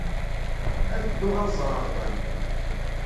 Ad dduɣ ad ẓreɣ Dan.